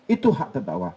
itu hak terdakwa